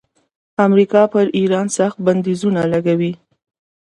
امریکا پر ایران سخت بندیزونه لګولي.